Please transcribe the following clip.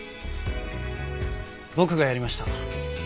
僕がやりました。